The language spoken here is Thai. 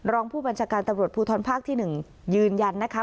รองผู้บัญชาการตำรวจภูทรภาคที่๑ยืนยันนะคะ